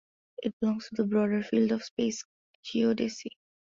It belongs to the broader field of space geodesy.